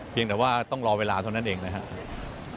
เพียงแต่ว่าต้องรอเวลาเท่านั้นเองนะครับ